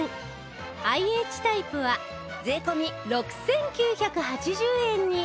ＩＨ タイプは税込６９８０円に